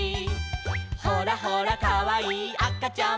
「ほらほらかわいいあかちゃんも」